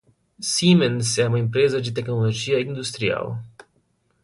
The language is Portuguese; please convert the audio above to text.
Siemens é uma empresa de tecnologia industrial.